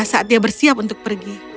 saat dia bersiap untuk pergi